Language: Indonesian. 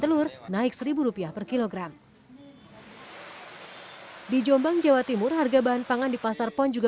telur naik seribu rupiah per kilogram di jombang jawa timur harga bahan pangan di pasar pon juga